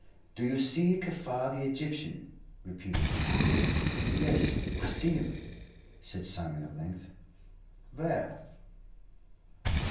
"Do you see Kaffar, the Egyptian?" repeated he. "Yes, I see him," said Simon at length. "Where?"